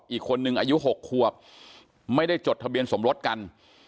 อีกคนนึงอายุ๖ควบไม่ได้จดทะเบียนสมรสกัน